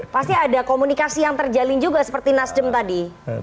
pasti ada komunikasi yang terjalin juga seperti nasdem tadi